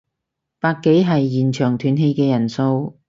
百幾係現場斷氣嘅人數